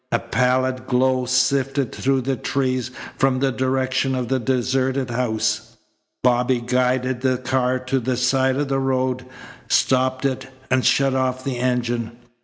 A pallid glow sifted through the trees from the direction of the deserted house. Bobby guided the car to the side of the road, stopped it, and shut off the engine.